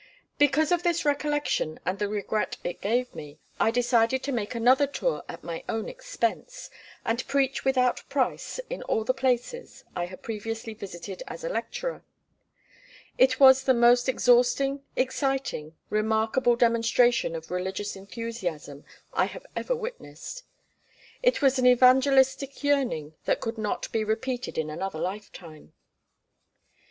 Because of this recollection and the regret it gave me, I decided to make another tour at my own expense, and preach without price in all the places I had previously visited as a lecturer. It was the most exhausting, exciting, remarkable demonstration of religious enthusiasm I have ever witnessed. It was an evangelistic yearning that could not be repeated in another life time.